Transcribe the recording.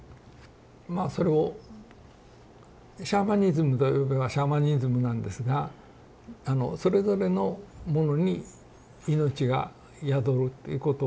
まあそれをシャーマニズムと呼べばシャーマニズムなんですがそれぞれのものにいのちが宿るっていうことを信じてるんです。